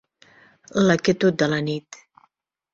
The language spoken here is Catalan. La quietud de la nit.